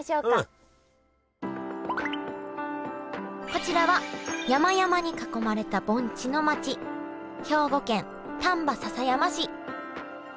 こちらは山々に囲まれた盆地の町兵庫県丹波篠山市。